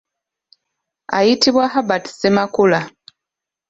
Ayitibwa Herbert Ssemakula .